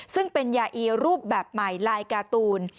ซึ่งเป็นยาอีรูปแบบใหม่ลายการ์ตูน